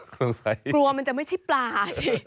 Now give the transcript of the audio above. ต้องใจกลัวมันจะไม่ใช่ปลาสิ